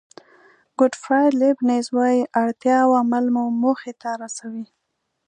ګوټفراید لیبنېز وایي اړتیا او عمل مو موخې ته رسوي.